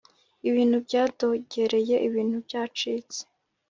ibintu byadogereye ibintu byacitse